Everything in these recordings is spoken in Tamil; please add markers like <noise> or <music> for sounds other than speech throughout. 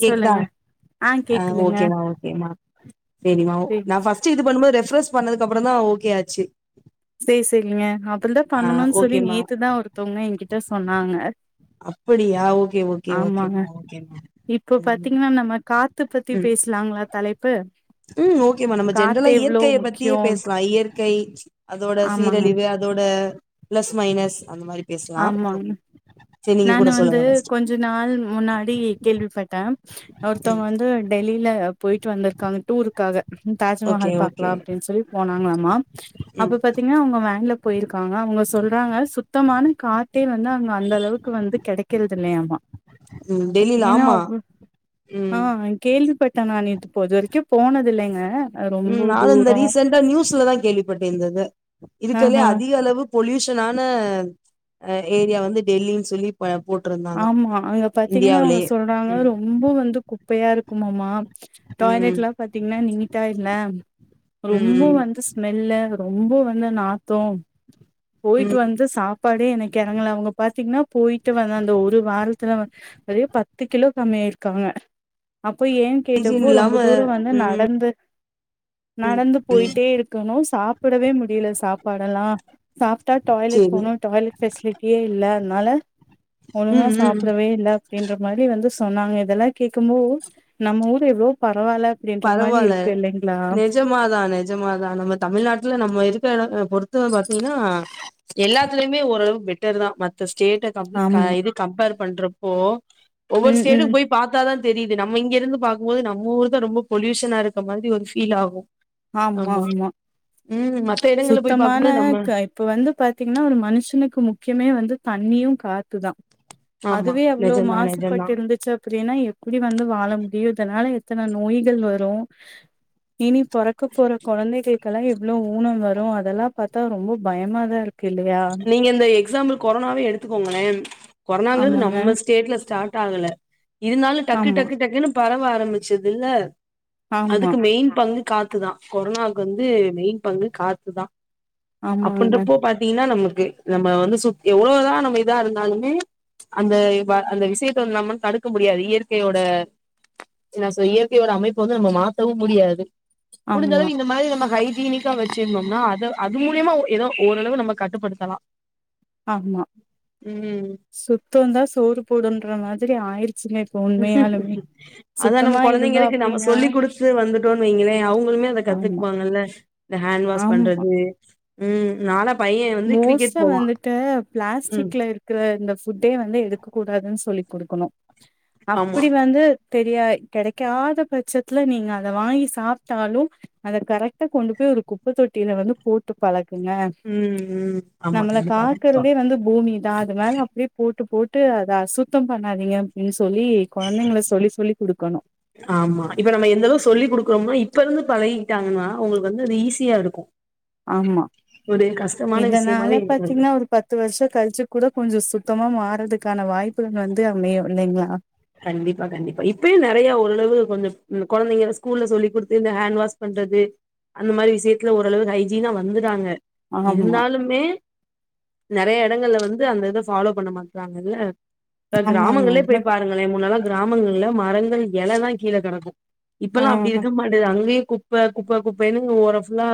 கேக்குதா சொல்லுங்க ஆ ஓகேமா ஓகேமா செரிமா ஓ சேரி நா ஃபர்ஸ்டு இது பண்ணும்போது ரெஃப்ரெஸ் பண்ணதுக்கு அப்புறதா ஓகே ஆச்சு செரி சேரிங்க அப்படிதா ஆ பண்ணணோனு சொல்லி ஓகேமா நேத்துதா ஒருத்தவுங்க ஏகிட்ட சொன்னாங்க அப்படியா ஓகே ஓகே ஓகேமா ஓகேமா இப்ப ம் பாத்தீங்கனா நம்ம காத்து பத்தி ம் பேசலாங்களா தலைப் ம் ஓகேமா நம்ம ஜென்ரலா எவ்ளோ இயற்கைய பத்தியே முக்கியம் பேசலா இயற்கை அதோட ஆமாங்க சீரழிவு அதோட பிளஸ் மைனஸ் அந்த மாதிரி ஆமாங்க நானு கூட வந்து சொல்லுங்க ஃபர்ஸ்ட் கொஞ்ச நாள் முன்னாடி கேள்விப்பட்ட ம் ஒருத்தவுங்க வந்து டெல்லில போயிட்டு வந்துருக்காங்க டூருக்காக ஓகே தாஜ்மஹால் ஓகே பாக்லா அப்டீனு சொல்லி போனாங்களாமா ம் அப்ப பாத்தீங்கன்னா அவுங்க வேன்ல போயிருக்காங்க அவுங்க சொல்றாங்க சுத்தமான தேன் வந்து அங்க அந்த அளவுக்கு வந்து கெடைக்குறது இல்லையாமா ம் டெல்லில ஏன்னா ஆமா அவ்ள் ஆ ம் கேள்வி பட் பாத்தனா நேத்து போ இதுவரிக்கோ போனதில்லைங்க ம் நானு இந்த ரீசன்டா நியூஸ்லதா கேள்விப்பட்டே இந்த இத இருக்றதுலையே ஆஹா அதிக அளவு பொல்யூஷனான அ ஏரியா வந்து டெல்லின்னு சொல்லி ப போட்ருந்தாங்க ஆமா அங்க பாத்தீங்கன்னா அவுங்க இந்தியாவிலயே சொல்றாங்க ம் ரொம்ப வந்து குப்பையா இருக்குமாமா ம் டாய்லட்லா பாத்தீங்கன்னா நீட்டா இல்ல ரொம்ப ம் வந்து ஸ்மெல்லு ரொம்ப வந்து நாத் தோ போயிட்டு ம் வந்து சாப்பாடே எனக்கு எறங்கல அவுங்க பாத்தீங்கன்னா போயிட்டு வந்த அந் த வாரத்துல வந் ஒரே பத்து கிலோ கம்மியாயிருக்காங்க அப் போய் ஏன்னு பீஜின் கேட்டப்போ இல்லாம ரொம்ப தூரோ வந்து நடந்து நடந்து போயிட்டே இருக்கணோ சாப்படவே முடியுல சாப்பாடெல்லா சாப்டா டாய்லெட் சேரி போணோ டாய்லெட் ஃபெசிலிட்டியே இல்ல அத்னால ஒழுங்கா ம் ம் சாப்புடவே இல்ல அப்டின்ற மாரி வந்து சொன்னாங்க இதெல்லா கேக்கும்போ நம்ம ஊரு எவ்ளவோ பர் பரவால நெஜமாதா நெஜமாதா நம்ம தமிழ்நாட்ல நம்ம இருக்க எடோ பொறுத் து பாத்தீங்கன்னா எல்லாத்துலையுமே ஓரளவு பெட்டர்தா மத் மத்த ஸ்டேட்ட கம்புள் க ஆமா இது கம்பேர் பண்றப்போ ஒவ்வோரு ம் ம் ஸ்டேட்டுக்கு போய் பாத்தாதா தெரியுது நம்ம இங்க இருந்து பாக்கும் போது நம்ம ஊர்தா ரொம்ப பொல்யூஷனா இருக்க மாரி ஒரு ஃபீல் ஆகோ ஆமா ஆமா மத்த இடங்கள்ல போய் சுத்தமான பாக்கும்போது நம்ம க இப்ப வந்து பாத்தீங்கனா ஒரு மனுஷனுக்கு முக்கியமே வந்து தண்ணியு காத்துதா ஆமா அதுவே அவ்ளோ நெஜந்தா நெஜந்தா மாசுபட்டு இருந்துச்சு அப்டீன்னா எப்டி வந்து வாழ முடியு இதனால எத் தன நோய்கள் வரோ இனி பொறக் க்கப் போற குழந்தைகளுக்கெல்லா எவ்வளோ ஊனோ வரு அதெல்லாம் பாத்தா ரொம்ப பயமா தா இரு நீங்க இந்த எக்ஸாம்பிள் கொரோனாவே எடுத்துக்கோங்களே கொரோனாங்கறது ஆமாங்க. நம்ம ஸ்டேட்ல ஸ்டார்ட் ஆகல இருந்தாலு டக்கு ஆமா. டக்கு டக்குன்னு பரவ ஆரம்பிச்சதுல ஆமா. அதுக்கு மெயின் பங்கு காத்துதா கொரோனாவுக்கு வந்து மெயின் பங்கு காத்துதா ஆமாங்க அப்டின்றப்போ <unintelligible> நமக்கு நம்ம வந்து சுத் எவ்வளோதா நம்ம இதா இருந்தாலுமே அந்த வ அந்த விஷயத்த வந்து நம்ம தடுக்க முடியாது இயற்கையோட என்ன சோ இயற்கையோட அமைப்ப வந்து நம்ம மாத்தவு முடியாது ஆமா. முடிஞ்சளவு இந்த மாரி நம்ம ஹைஜீனிக்கா வச்சிருந்தோம்னா அத அது மூலியமா ஏதோ ஓரளவு நமக் கட்டுப்படுத்தலாம் ஆமா சுத்தோந்தா சோறு போடுன்ற மாதிரி ஆயிர் அதான் நம்ம சுத்தமா இருந்தோம் கொழந்தைங்களுக்கு நம்ம அப்டின்னா சொல்லி குடுத்து வந்து தோ வைங்கலேஅவுங்களுமே அத ஆமா. கத்துக்வாங்கல இந்த ஹேண்ட் வாஷ் பண்றது உ நாள மோஸ்டா வந்துட்டு ம் பிளாஸ்டிக்ல இருக்ற இந்த ஃபுட்டே வந்து எடுக்க கூடாதுன்னு சொல்லி கொடுக்கணு ஆமா அப்டி வந்து தெரியா கெடைக்காத பட்சத்துல நீங்க அத வாங்கி சாப்ட்டாலும் அத கரெக்டா கொண்டு போ ய் ஒரு குப்ப தொட்டில வந்து போட்டு பழக்குங்க ம் ம் ஆமா நம்மள கண்டிப்பா கண்டிப்பா காக்குறதே வந்து பூமிதான் அது மேல அப்டியே போட் போட்டு போட்டு அத அசுத்தம் பண்ணாதீங்க அப்டின்னு ஆமா இப்ப நம்ம எந்த அளவு சொல்லி குடுக்கறோம்னா இப்ப இப்ப இருந்து பழகிக்கிட்டாங்கன்னா அவங்களுக்கு வந்து அது ஈஸியா இருக்கு ஆமா ஒரு கஷ்டமான விஷயமாவே இத்தனால இருக்காது பாத்தீங்கன்னா ஒரு பத்து வருஷ கழிச்சு கூட கொஞ்சோ சுத்தமா மா றதுக்கான வாய்ப்புகள் வந்து அமையு இல்லைங்களா கண்டிப்பா கண்டிப்பா இப்பய நிறைய ஓரளவு கொஞ்சம் குழந்தைங்க ஸ்கூல்ல சொல்லி கொடுத்து இந்த ஹேண்ட் வாஷ் பண் றது அந்த மாதிரி விஷயத்துல ஓரளவுக்கு ஹைஜீனா வந்துர்ராங்க ஆமா இருந்தாலுமே நிறைய எ டங்கல வந்து அந்த ஃபாலோ பண்ண மாட்டறாங்கல்ல ஆமாங்க கிராமங்களே உண்மதா போய் பா முன்னாள கிராமங்கள்ல மரங்கள் எலைதா கீழ கெடக்கும் ஆ இப்பல்லாம் அப்டி இருக்க மாட்டது அங்கேயே குப்ப குப்ப குப்பைன்னு ஓரஃபுல்லா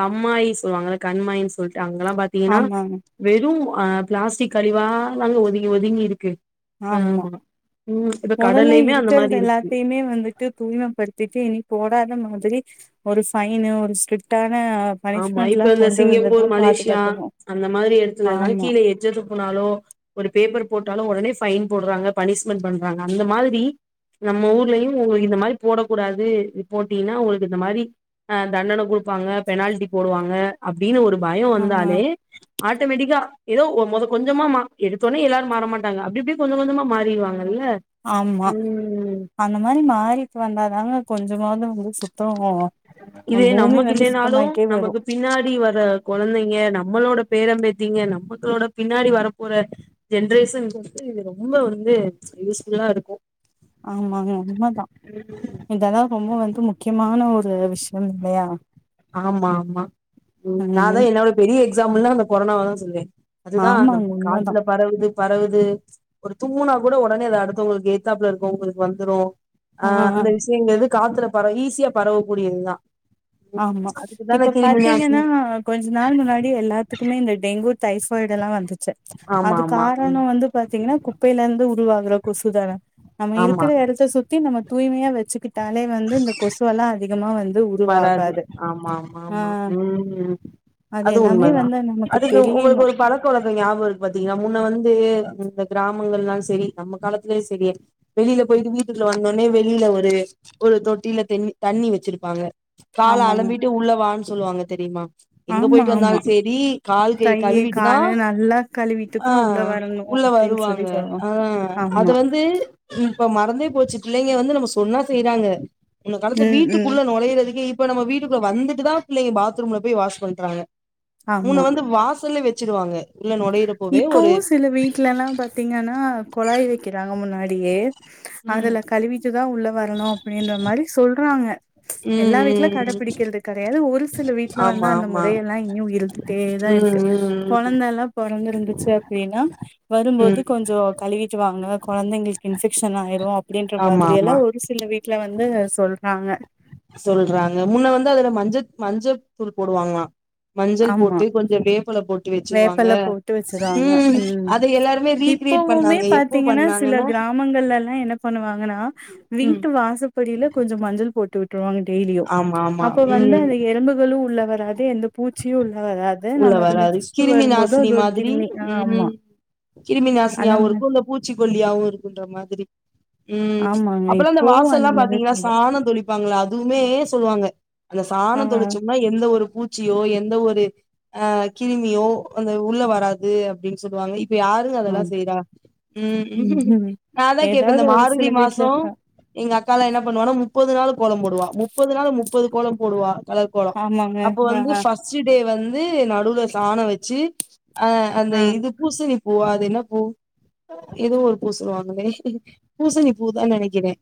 கம்மாயி சொல்லுவாங்க கண்மாயின்னு சொல்லி ட்டு அங்கெல்லா பாத்தீங்கன்னா ஆமாங்க வெறும் அ பிளாஸ்டிக் கழிவால அங்க ஒதுங்கி ஒதுங்கி இருக்கு ஆமா ம் இப்ப மொதல்ல கடல்லயுமே அந்த இருக்கறத மாரி இருக்கு எல்லாத்தையுமே வந்துட்டு தூய்மைப்படுத்திட்டு நீ போடாத மாதிரி ஒரு ஃபைன்னு ஒரு ஸ்ட்ரிக்ட்டா ஆமா இப்ப இந்த சிங்கப்பூர் மலேசியா பாதுகாத்தணு அந்த மாதிரி இடத்துல எல்லா ஆமா கீழ எச்சத் துப்புனா லோ ஒரு பேப்பர் போட்டாலும் உடனே ஃபைன் போடுறாங்க பனிஷ்மெண்ட் பண்றாங்க அந்த மாதிரி நம்ம ஊர்லயும் உங்களுக்கு இந்த மாதிரி போடக்க கூடாது போட்டீங்கன்னா உங்களுக்கு இந்த மாதிரி ஆ தண்டன கொடுப்பாங்க பெனால்டி போடுவாங்க அப்டின்னு ஒரு பயம் ஆ வந்தாலே ஆட்டோமேட்டிக்கா எதோ ஒ மொத கொஞ்சமா எடுத்தோடனே எல்லாரு மாற மாட்டாங்க அப்டிப்படியே கொஞ்சம் கொஞ்சமா மாறிர்வாங்க ஆமா அந்த மாரி மாறிட்டு வந்தாதாங்க கொஞ்சமாவது வந்து சுத்தம் இதது நமக்கு இல்லைனாலும் சுத்தமாயிட்டே வரு நமக்கு பின்னாடி வர கொழந்தைங்க நம்மளோட பேரம் பேத்திங்க நம்மக்களோட பின்னாடி வர போற ஜென்ரேஷன்றது இது ரொம்ப வந்து யூஸ்ஃபுல்லா இருக்கும் ஆமாங்க உண்மதா இததா ரொம்ப வந்து முக்கியமான ஒரு ஒரு விஷயம் இல்லயா ஆமா ஆமா ம் நா தா என்னோட பெரிய எக்ஸாம்பிள்னா அந்த கொரோனாவ தான் சொல்வேன் அதுதா ஆமாங்க நம்ம உண்மதா காட்டுல பரவுது பரவுது ஒரு தூம்முனா கூட ஒடனே அது அடுத்தவங்களுக்கு ஏத்தாப்ல இருக்கவங்களுக்கு வந்துரும் அ ஆ அந்த விஷயங்கறது காத்துல பறவ ஈஸியா பரவக்கூடியதுதா ஆமா அதுக்குதான இப்ப கிருமிநாசினி பாத்தீங்கன்னா கொஞ்ச நாள் முன்னாடி எல்லாத்துக்குமே இந்த டெங்கு டைஃபாய்டெல்லா வந்துச்ச ஆமா அது ஆமா காரணோ ம் வந்து பாத்தீங்கன்னா குப்பையிலந்து உருவாக் கற கொசுதான நம்ம ஆமா இருக்குற எடத்த சுத்தி நம்ம தூய்மையா வச்சிக்கிட் டாலே வந்து இந்த கொசுவெல்லா அதிகமா வந்து உருவாக் காது ஆமா ஆமா ஆமா ம் ம் அது எல்லாமே உண்மதா வந்து நமக்கு அதுக்கு உங்களுக்கு தெரியணு ஒரு பழக்கவழக்கோ ஞாபகருக் பாத்தீங்கன்னா முன்ன வந்து இந்த கிரா ராமங்கள்லா செரி நம்ம காலத்துலயு செரி வெளில போயிட்டு வீட்டுகுல்ல வந்தோனே வெளில ஒரு ஒரு தொட்டியல தெண்ணி தண்ணி வெச்சிருப்பாங்க கால ஆமாங்க அலம்பிட்டு உள்ள வான் சொல்லுவாங்க தெரியுமா எங்க ஆமா போயிட்டு ஆமா வந்தால் செரி கால் கெய் கழு கையி வீட்டுதா கால நல்லா கழுவிட்டு அ தா உள்ள வரணு உள்ள அப்டின்னு சொல்லி வருவாங்க சொல்லுவோ அ அத ஆமா வந்து இப்ப மறந்தே போச்சிட்டு பிள்ளைங்க வந்து நம்ம சொன்னா செய்யறாங்க முன்ன காலத்து ம் ம் வீட்டுக்குள்ள நுழைறதுக்கே இப் ப நம்ம வீட்டுக்குள்ள வந்துட்டுதா பிள்ளைங்க பாத்ரூம்ல போய் வாஷ் பண்டு வராங்க முன்ன ஆமா வந்து வாசல்ல வெச் சிடுவாங்க இப்பவு சில வீட்டுல எல்லா பாத்தீங்கன்னா கொழாய் வெக்கிறாங்க முன்னாடியே ம் அதுல கழுவிட்டுதா உள்ள வரணு அப்டின்ற மாரி சொல்றாங்க ம் எல்லா வீட்டுல ம் ம் கடபிடிக்கிறது கெடையாது ஒரு சில வீட்டுல வந்து ஆமா அந்த ஆமா மொறைய எல்லா இன்னியு இருந்துட்டேதா இருக் ம் கு ம் கொழந்தல்லா பொறந்துருந்துச்சி அப்டின்னா ம் வரும்போது ம் கொஞ்சோ கழுவிட்டு வாங்க கொழந்தைங்களுக்கு இன்ஃபெக்ஷன் ஆயிரு அப்டின்ற ஆமா மாதிரி எல்லா ஆமா ஒரு சில வீட்டுல வந்து சொல்றாங்க சொல்றாங்க முன்ன வந்து அதுல மஞ்சத் மஞ்சள் தூள் போடுவாங்களா மஞ்சள் ஆமா போட்டு கொஞ்சோ வேப்பல போட் டு வெச்சிக்குவாங்க வேப்பெல போட்டு வச்சிருவாங்க ம் அத எல்லாருமே ரீக்ரியேட் பண்ணாங்க எப்போ பண்ணாங்கன்னா கிராமங்கள்ள எல்லா என்ன பண்ணுவாங்கன்னா ம் வீட்டு வாசப்படியில கொஞ்சோ மஞ்சள் போட்டு விட்டுருவாங்க டெய்லியு ஆமா ஆமா அப்ப வந்து ம் அந்த எறும்புகளு உள்ளவராது எந்த பூச்சியு உள் அ அதே உள்ள நமது மிச் வராது கிருமி நாசினி மாதிரி ம் கிருமி அந்த மாரி நாசினியாவுருக்கு இந்த பூச்சிக்கொல்லியாவுருக்குன்ற மாதிரி ம் ஆமாங்க அப்பறோ இந்த இப்பவு வாசல்ல அந்த மாதிரி பாத்தீங்கன்னா பண்றோ சாணோ தொளிப் பாங்களா அதுமே சொல்லுவாங்க அந்த ஆ சாணம் தொளிச்சோம்னா எந்த ஒரு பூச்சியோ எந்த ஒரு அ கிருமியோ அந்த உள்ள வராது அப்டின் சொல்லுவாங்க இப்ப யாருங்க அதெல்லா ஆம் செய்றா ம் ம் நா அதா கேப்ப இந்த ஏதாவது ஒரு மார்கழி சில வீட்ல மாசோ இருக்கா எங்க அக் களா என்ன பண்ணுவானா முப்பது நாள் கோலம் போடுவா முப்பது நாள் முப்பது கோலம் போடுவா கலர் கோலோ ஆமாங்க அப்போ ஆ வந்து ஃபர்ஸ்ட்டு டே வந்து நடுவுல சாணோ வெச்சி அ அந்த ஆ இது பூசணி பூவா அது என்ன பூ ஏதோ ஒரு பூ சொல்லுவாங்களே பூசணி பூதா நெனைக்கிறே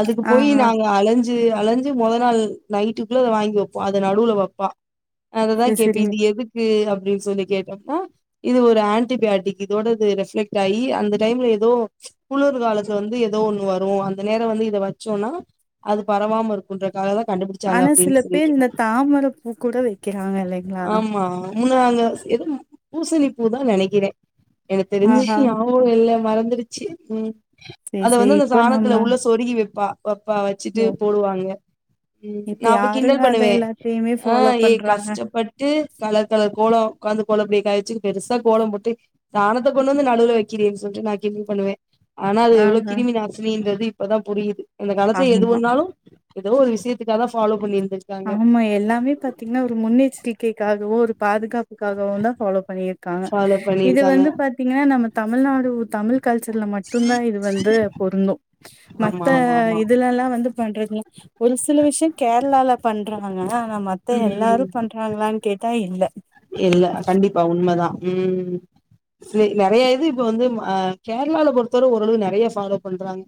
அதுக்கு ஆ போய் ஆ நாங்க அலஞ்சி அலஞ்சி மெத நாள் நைட்டுக்குள்ள அத வாங்கி வெப்போ அத நடுவுல வெப்பா செர் செரிங் எதுக்கு அப்டின் சொல்லி கேட்டோம்னா இது ஒரு ஆன்டிபயாட்டிக் இதோடது ரெஃப்லெக்ட் ஆயி அந்த டைம் ஏதோ குளுர்காலத்துல வந்து ஏதோ ஒண்ணு வரு அந்த நேரோ வந்து இத வச்சோன்னா அது பரவா வாம இருக்குன்றக்காக தா கண்டுபிடிச்சாங்க ஆனா சில அப்டின்னு பேர் சொல்லிட்டு இந்த தாமர பூ கூட வெக்கிறாங்கலே ஆமா முன்ன நாங்க எதுவு பூசணி பூதா நெனைக்கிறே எனக் தெரிஞ்சி ஆஹா நியாபகோ இல்ல மறந்துறுச்சி ம் சரி அத சரி வந்து அந்த இப்ப நம்ம சாணத்துல உள்ள சொருகி வெப்பா வெப்பா வச்சிட்டு ஓ போடுவாங்க ம் இப்ப நா அப்ப யாருங்க கிண்டல் அத பண்ணுவே எல்லாத்தையுமே அ ஃபாலோ ஏ பண்றாங்க கஷ்டப்பட் கலர் கலர் கோலோ உக்காந்து கோலம்ப்படிய காய வெச்சி பெருசா கோலம் போட்டு சாணத்த கொண்டு வந்து நடுவுல வெக்கிறியே அப்டி சொல் டு நா கிண்டல் பண்ணுவே ஆனா அது எவ்ளோ ஆஹ கிருமி நாசினின்றது இப்பதா புரியிது அந்த கலத்துல எது ஆமா பண்ணாலு ஏதோ ஒரு விஷயத்துக்காகதா ஃபாலோ பண்ணிருக் ஆமா எல்லாமே பாத்தீங்கன்னா ஒரு முன்னெச்சரிக்கைக்காகவோ ஒரு பாதுகாப்புக்காகவோன்தா ஃபாலோ பண்ணியிருக்காங்க ஃபாலோ இத பண்ணிருக்காங்க வந்து பாத்தீங்கன்னா நம்ம தமிழ்நாடு தமிழ் கல்ச்சர்ல மட்டுந்தா இது வந்து பொருந்து ஆமா மத்த ஆமா ஆமா இதுலல்லா வந்து பண்றதுல ஒரு சில விஷ்யோ கேரளால பண்றவங்க மத்த எல்லாரு ம் பண்றாங்களான்னு கேட்டா இல்ல இல்ல கண்டிப்பா உண்மதா உம் சில நெறயா இது இப்ப வந்து கேரளால பொறுத்தவர ஓரளவு நெறயா ஃபாலோ பண்றாங்க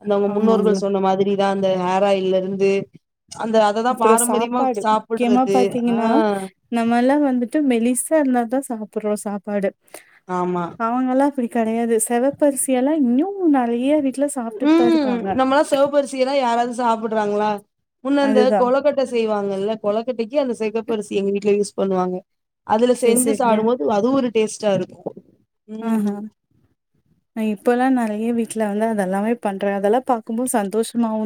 அந்த அவுங்க ஆமாங்க முன்னோர்கள் சொன்ன மாதிரிதா அந்த ஹேர் ஆயில்ல இருந்து அந்த அததா அப்புறோ பாரம்பரியமா சாப்பாடு முக்கியமா சாப்புட்றது ஆ பாத்தீங்கன்னா நம்மெல்லா வந்து ட்டு மெலிசா இருந்தாதா சாப்பிடுறோ சாப்பாடு ஆமா அவங்கெல்லா அப்டி கெடையாது செவப்பரிசி எல்லா இன்னு நெறயா ம் நம்மெல்லா செவப்பரிசிய எல்லா யாராவது சாப்பிடறாங்ளா முன்ன அந்த அதுதா கொளக்கட்ட செய்வாங்கல்ல கொளக்கட்டைக்கு அந்த செகப்பரிசிய எங்க வீட்ல யூஸ் பண்ணுவாங்க அதுல சேரி செஞ்சு சேரிங்க சாப்பிடும்போது அதுவு ஒரு டேஸ்டா இருக்கு ஆஹா ம் அய்யோ இப்பெல்லா நெறயா வீட்ல வந்து அதெல்லாமே பண்றே அதெல்லா பாக்கும்போது சந்தோஷமாவு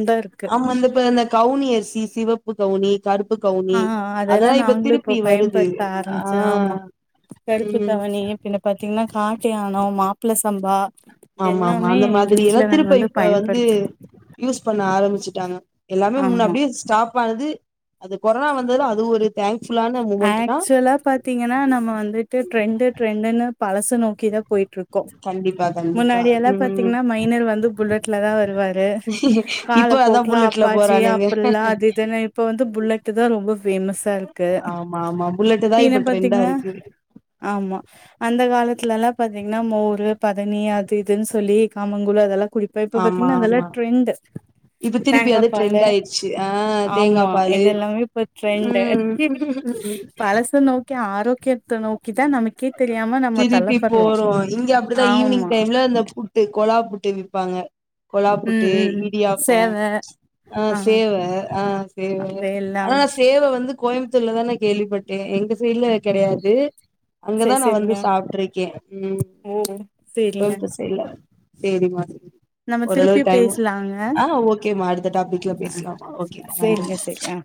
ஆமா இந்தப்ப அ இந்த கவுனி அரிசி சிவப்பு கவுனி கருப்பு கவுனி ஆ அதெல்லா இப்ப நாங்களு இப்போ திருப்பி வருது பயன்படுத்த ஆ ஆரம்பிச்சு ஆமா கருப்பு ம் கவனி பின்ன பாத்தீங்கன்னா காட்டுயானோ மாப்பிள சம்பா இது ஆமாமா எல்லாமே அந்த எங்க மாதிரி எல்லா வீட்ல நாங்க திருப்ப இப்ப வந்து பயன்படுத்துறோ யூஸ் பண்ண ஆரம்பிச்சுட்டாங்க எல்லாமே முன்ன ஆமா அப்டியே ஸ்டாப் ஆனது அது கொரோனா வந்ததுல அது ஒரு தேங்க் ஆக்சுவலா பாத்தீங்கன்னா நம்ம வந்துட்டு ட்ரெண்டு ட்ரெண்டுன்னு பழச நோக்கிதா போயிட்டுரு கோ கண்டிப்பா கண்டிப்பா முன்னாடி எல்லா ம் பாத்தீங்கன்னா மைனர் வந்து புல்லட்லதா வருவாரு கால இப்ப அதா கோக்கலா புல்லட்ல அப்பாச்சி போறானுங்க அப்பில்லா அது இதுனு இப்ப வந்து புல்லட்தா ரொம்ப ஃபேமஸ்ஸா இருக்கு ஆமா ஆமா புல்லட்டு தா இப்ப <unintelligible> ட்ரெண்டா பாத்தீங்கன்னா இருக்கு ஆமா அந்த கா லத்துலல்லா பாத்தீங்கன்னா மோரு, பதனி அது இதுன்னு சொல்லி கமங்கூழு அதெல்லா குறிப்பா இப்ப ஆமா பாத்தீங்கன்னா அதெல்லா ஆமா ட்ரெண்டு இப்ப திருப்பி தேங்கா அது பாலு ட்ரெண்ட் ஆயிடுச்சு ஆ தேங்கா ஆமா பாலு இது எல்லாமே இப்ப ட்ரெண்டு ம் பழச நோக்கி ஆரோக்கியத்த நோ திருப்பி போறோ இங்க அப்டிதா ஈவினிங் ஆமா டைம்ல அந்த புட்டு கொலா புட் டு விப்பாங்க கொழா ம் புட்டு ம் இடியாப்போம் சேவ அ ஆ சேவ அ சேவ அது ஆனா எல்லாம் நா சேவ வந்து கோயம்புத்தூர்லதா நா கேள்விப்பட்ட எங்க சைடுல கெடையாது அங்கதா செரி நா வந்து செரிங்க சாப்ட்டுருக்கே ம் ஓ செரிங்க கோயம்புத்தூர் சைடுல சேரி மா நம்ம ஓரளவு திருப்பியு டைம் பேசலாங்க ஆ ஓகே மா அடுத்த டாபிக்ல பேசலாமா ஓகே நன்றி அ